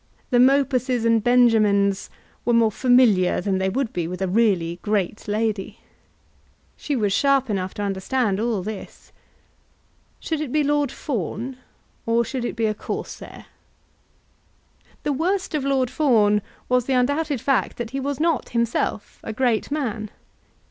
The Mopuses and Benjamins were more familiar than they would be with a really great lady. She was sharp enough to understand all this. Should it be Lord Fawn or should it be a Corsair? The worst of Lord Fawn was the undoubted fact that he was not himself a great man.